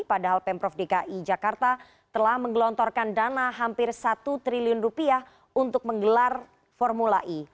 padahal pemprov dki jakarta telah menggelontorkan dana hampir satu triliun rupiah untuk menggelar formula e